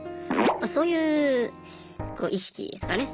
そういう意識ですかね。